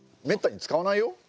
めったに使わないよ。